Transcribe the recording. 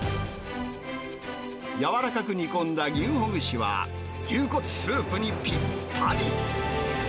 軟らかく煮込んだ牛ほぐしは、牛骨スープにぴったり。